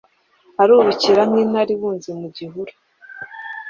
Arubikira nk’intare ibunze mu gihuru